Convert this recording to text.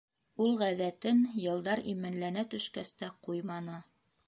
Ул ғәҙәтен йылдар именләнә төшкәс тә ҡуйманы.